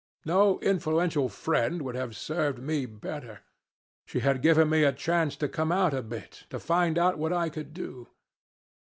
No influential friend would have served me better. She had given me a chance to come out a bit to find out what I could do.